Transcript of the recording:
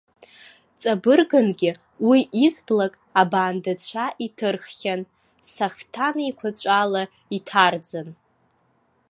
Ҵабыргынгьы, уи изблак абаандцәа иҭырххьан, сахҭан еиқәаҵәала иҭарӡын.